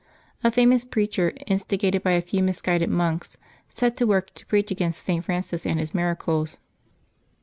A famous preacher, instigated by a few misguided monks, set to work to preach against St. Francis and his miracles.